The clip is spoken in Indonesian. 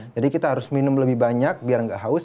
jadi kita harus minum lebih banyak biar gak haus